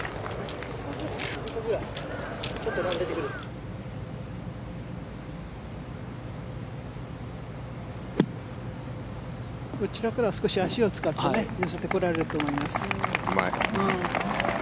こちらからは少し、足を使って寄せてこられると思います。